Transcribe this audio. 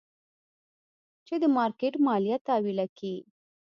چې د مارکېټ ماليه تاويله کي.